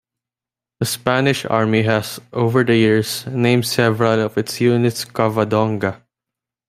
The Spanish Army has, over the years, named several of its units "Covadonga".